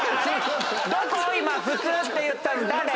今「普通」って言ったの誰？